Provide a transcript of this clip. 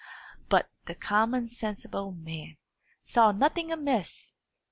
But the common sensible man saw nothing amiss.